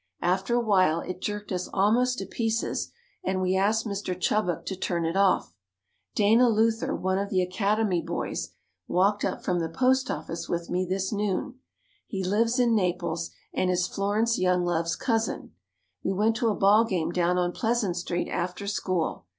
After a while it jerked us almost to pieces and we asked Mr. Chubbuck to turn it off. Dana Luther, one of the Academy boys, walked up from the post office with me this noon. He lives in Naples and is Florence Younglove's cousin. We went to a ball game down on Pleasant Street after school.